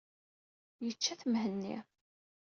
Yečča-t Mhenni.